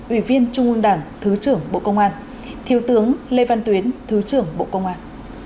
ủy viên trung ương đảng thứ trưởng bộ công an thiếu tướng lê văn tuyến thứ trưởng bộ công an